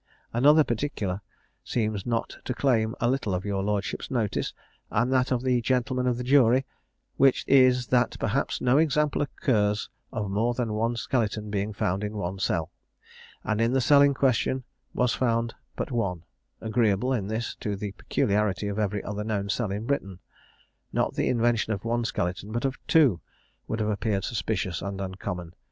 "Another particular seems not to claim a little of your lordship's notice, and that of the gentlemen of the jury; which is, that perhaps no example occurs of more than one skeleton being found in one cell: and in the cell in question was found but one; agreeable, in this, to the peculiarity of every other known cell in Britain. Not the invention of one skeleton, but of two, would have appeared suspicious and uncommon.